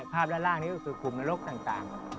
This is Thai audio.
ภาพด้านล่างก็คือคลุมนรกต่าง